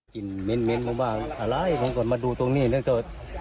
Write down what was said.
กินเม่นแบบอะไรผมก็มาดูตรงนี้แล้วก็